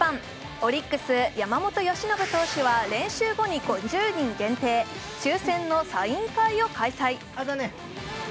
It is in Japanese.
オリックス・山本由伸投手は練習後に５０人限定、抽選のサイン会を開催。